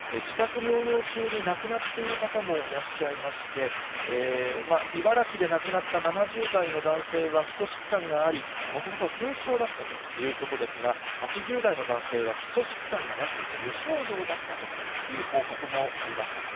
自宅療養中に亡くなっている方もいらっしゃいまして、茨城で亡くなった７０代の男性は基礎疾患があり、もともと軽症だったということですが、８０代の男性は基礎疾患がなく、無症状だったという報告もあります。